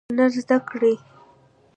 هنر زده کړئ